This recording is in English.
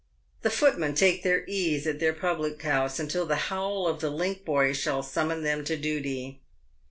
The footmen take their ease at their public house until the howl of the link boy shall summon them to duty.